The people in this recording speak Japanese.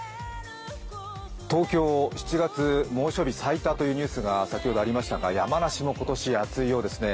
東京、７月、猛暑日最多というニュースが先ほどありましたが山梨も今年、暑いようですね。